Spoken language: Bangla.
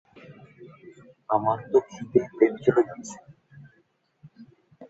আমার তো খিদেয় পেট জ্বলে যাচ্ছে!